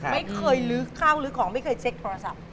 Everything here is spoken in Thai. ไม่เคยลื้อข้าวลื้อของไม่เคยเช็คโทรศัพท์